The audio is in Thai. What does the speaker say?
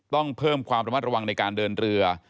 ต้องเพิ่มความระมัดระวังในการเดินเรือ